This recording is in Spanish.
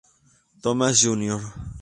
Thomas Jr.